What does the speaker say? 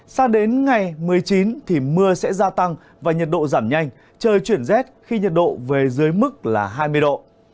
sao đến ngày một mươi chín thì mưa sẽ gia tăng và nhiệt độ giảm nhanh trời chuyển rét khi nhiệt độ về dưới mức là hai mươi độ